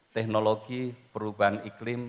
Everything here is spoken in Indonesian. teknologi perubahan iklim